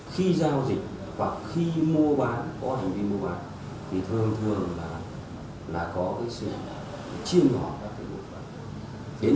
khi giao dịch hoặc khi mua bán có hành vi mua bán thì thường thường là có cái sự chiên ngỏ các cái đối tượng